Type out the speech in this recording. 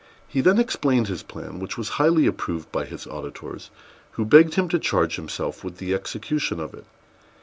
He then explained his plan, which was highly approved by his auditors, who begged him to charge himself with the execution of it.